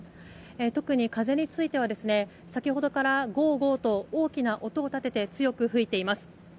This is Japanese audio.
特に風については先ほどからゴーゴーと大きな音を立てて強く吹いています。